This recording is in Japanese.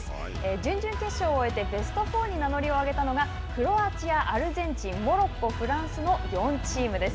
準々決勝を終えて、ベスト４に名乗りを上げたのが、クロアチア、アルゼンチンモロッコ、フランスの４チームです。